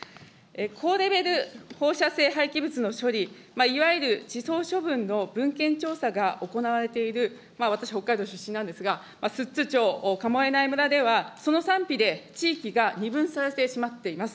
高レベル放射性廃棄物の処理、いわゆる地層処分の文献調査が行われている、私、北海道出身なんですが、寿都町、神恵内村ではその賛否で地域が二分されてしまっています。